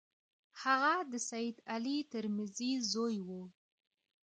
هغه د سید علي ترمذي زوی وو.